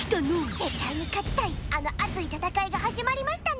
絶対に勝ちたいあの熱い戦いが始まりましたね！